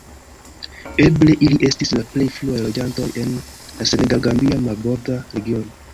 Eble ili estis la plej fruaj loĝantoj en la senegal-gambia marborda regiono.